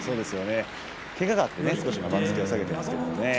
けがで少し番付を下げていますけれどね。